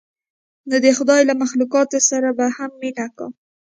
نو د خداى له مخلوقاتو سره به هم مينه کا.